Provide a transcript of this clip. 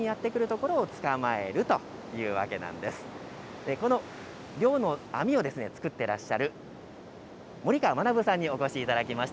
この漁の網を作ってらっしゃる、森川学さんにお越しいただきました。